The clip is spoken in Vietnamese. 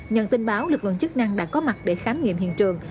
nhận tin báo lực lượng chức năng đã có mặt để khám nghiệm hiện trường